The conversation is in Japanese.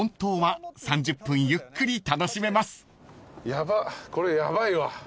ヤバッこれヤバいわ。